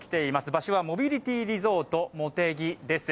場所はモビリティリゾートもてぎです。